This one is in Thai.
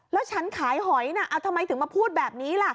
แล้วฉันขายหอยน่ะเอาทำไมถึงมาพูดแบบนี้ล่ะ